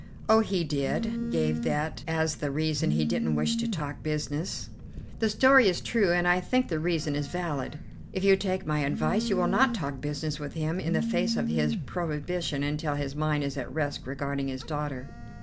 "Oh, he did: gave that as the reason he didn't wish to talk business." "The story is true, and I think the reason is valid. If you take my advice, you will not talk business with him in the face of his prohibition until his mind is at rest regarding his daughter."